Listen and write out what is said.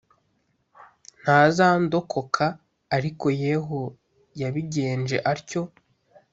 ntazandokoka Ariko Yehu yabigenjeje atyo